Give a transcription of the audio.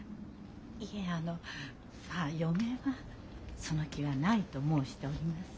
いえあの嫁はその気はないと申しております。